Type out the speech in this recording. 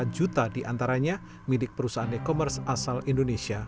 satu dua juta di antaranya milik perusahaan e commerce asal indonesia